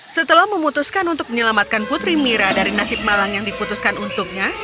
setelah memutuskan untuk menyelamatkan putri mira dari nasib malang yang diputuskan untuknya